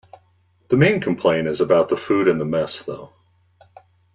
The main complaint is about the food in the mess though.